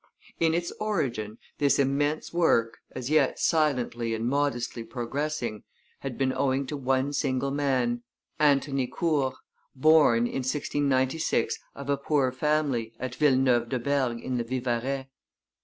In its origin, this immense work, as yet silently and modestly progressing, had been owing to one single man, Antony Court, born, in 1696, of a poor family, at Villeneuve de Berg in the Vivarais.